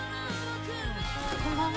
こんばんは。